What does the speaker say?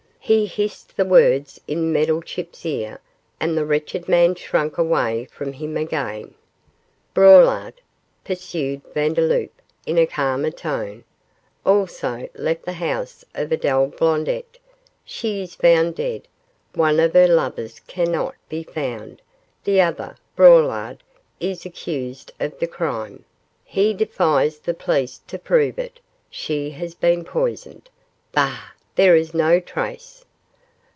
He hissed the words in Meddlechip's ear, and the wretched man shrank away from him again. 'Braulard,' pursued Vandeloup, in a calmer tone, 'also left the house of Adele Blondet. She is found dead; one of her lovers cannot be found; the other, Braulard, is accused of the crime; he defies the police to prove it; she has been poisoned. Bah! there is no trace.